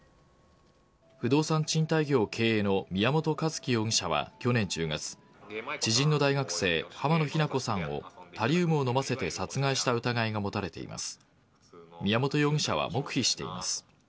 不動産賃貸業経営の宮本一希容疑者は去年１０月知人の大学生、濱野日菜子さんにタリウムを飲ませて殺害した疑いが持たれています。